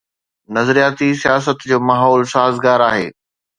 نظرياتي سياست جو ماحول سازگار آهي.